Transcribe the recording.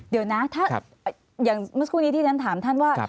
เดี๋ยวนะถ้าอย่างเมื่อสักครู่นี้ที่ฉันถามท่านว่า